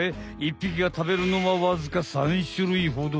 ぴきがたべるのはわずか３種類ほど。